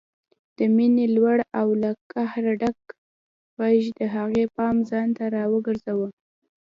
د مينې لوړ او له قهره ډک غږ د هغوی پام ځانته راوګرځاوه